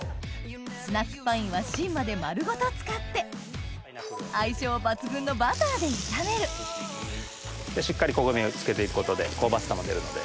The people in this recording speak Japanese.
スナックパインは芯まで丸ごと使って相性抜群のバターで炒めるしっかり焦げ目をつけていくことで香ばしさも出るので。